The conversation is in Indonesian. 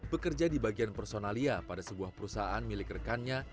bekerja di bagian personalia pada sebuah perusahaan milik rekannya